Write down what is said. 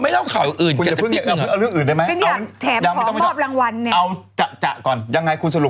จะเหรอเอาอย่างงั้นหรอ